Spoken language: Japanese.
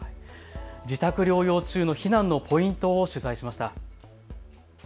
自宅療養中の避難のポイントを取材しました。